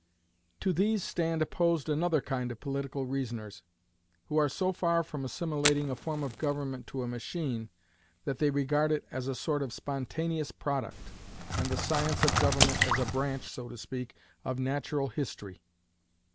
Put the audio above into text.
To these stand opposed another kind of political reasoners, who are so far from assimilating a form of government to a machine, that they regard it as a sort of spontaneous product, and the science of government as a branch (so to speak) of natural history.